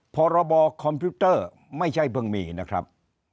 พรบคอมพิวเตอร์ไม่ใช่เพิ่งมีนะครับ